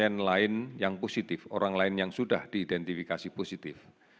pasien lain yang positif orang lain yang sudah diidentifikasi positif